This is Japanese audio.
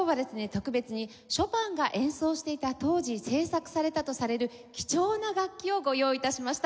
特別にショパンが演奏していた当時製作されたとされる貴重な楽器をご用意致しました。